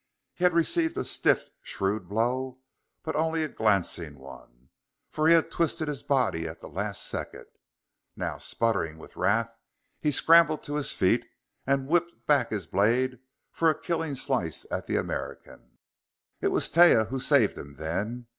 He had received a stiff, shrewd blow, but only a glancing one, for he had twisted his body at the last second. Now, sputtering with wrath, he scrambled to his feet and whipped back his blade for a killing slice at the American. It was Taia who saved him, then.